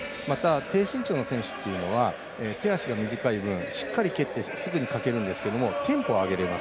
低身長の選手というのは手足が短い分しっかり蹴ってすぐにかけるんですけどテンポを上げれます。